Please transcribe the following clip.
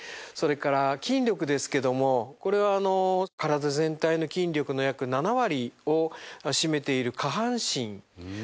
それから筋力ですけどもこれは体全体の筋力の約７割を占めている下半身。